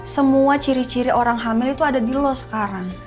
semua ciri ciri orang hamil itu ada di los sekarang